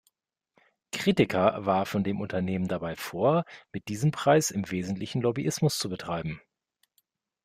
Kritiker warfen dem Unternehmen dabei vor, mit diesem Preis im Wesentlichen Lobbyismus zu betreiben.